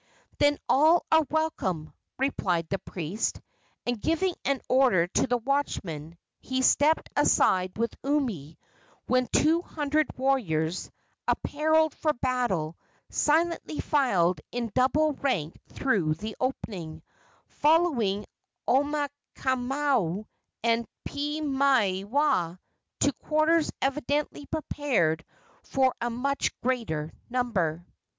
"Then all are welcome," replied the priest, and, giving an order to the watchman, he stepped aside with Umi, when two hundred warriors, appareled for battle, silently filed in double rank through the opening, following Omaukamau and Piimaiwaa to quarters evidently prepared for a much greater number.